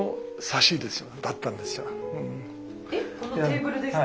えっこのテーブルですか？